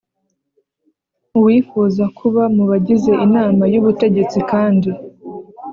uwifuza kuba mu bagize inama y ubutegetsi kandi